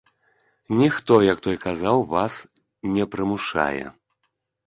Ніхто, як той казаў, вас не прымушае.